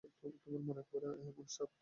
তোমার মন একেবারে এমন সাফ হল কী করে!